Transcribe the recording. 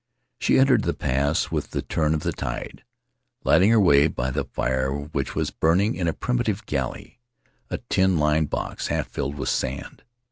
She entered the pass with the turn of the tide, lighting her way by the fire which was burning in a primitive galley, a tin lined box half filled with sand.